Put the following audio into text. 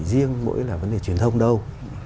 riêng mỗi là vấn đề truyền thông đâu